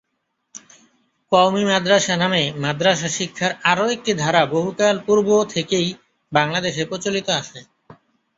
কওমী মাদ্রাসা নামে মাদ্রাসা শিক্ষার আরও একটি ধারা বহুকাল পূর্ব থেকেই বাংলাদেশে প্রচলিত আছে।